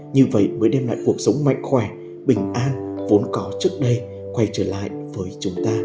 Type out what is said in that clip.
như vậy mới đem lại cuộc sống mạnh khỏe bình an vốn có trước đây quay trở lại với chúng ta